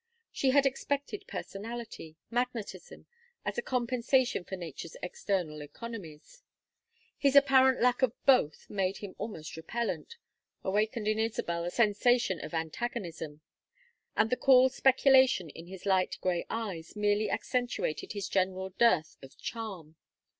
She had expected personality, magnetism, as a compensation for nature's external economies. His apparent lack of both made him almost repellent, awakened in Isabel a sensation of antagonism; and the cool speculation in his light gray eyes merely accentuated his general dearth of charm.